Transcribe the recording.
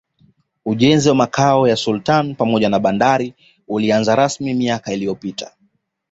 Ujenzi wa Makao ya Sultani pamoja na bandari ulianza rasmi miaka iliyopita